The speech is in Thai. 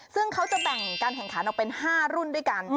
ซึ่งเขาจะแบ่งการแข่งขันออกเป็น๕รุ่นด้วยกัน